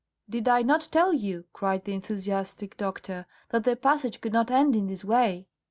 "Did I not tell you," cried the enthusiastic doctor, "that the passage could not end in this way?"